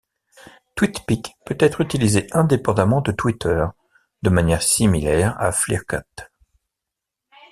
Twitpic peut être utilisé indépendamment de Twitter, de manière similaire à Flickr.